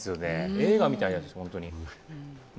映画みたいです、本当に。